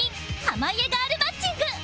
濱家ガールマッチング